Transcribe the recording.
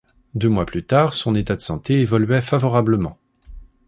Deux mois plus tard, son état de santé évoluait favorablement.